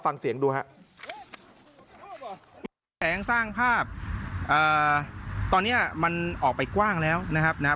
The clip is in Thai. ฟังเสียงดูฮะแสงสร้างภาพตอนเนี้ยมันออกไปกว้างแล้วนะครับนะฮะ